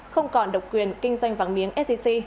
không còn độc quyền kinh doanh vàng miếng sec